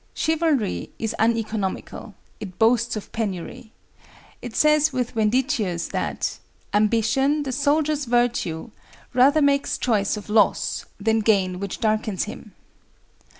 Chivalry is uneconomical; it boasts of penury. It says with Ventidius that "ambition, the soldier's virtue, rather makes choice of loss, than gain which darkens him."